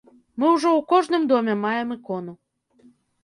Мы ўжо ў кожным доме маем ікону.